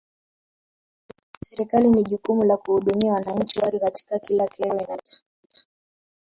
Serikali in jukumu la kuhudumia wananchi wake katika kila kero inayowakuta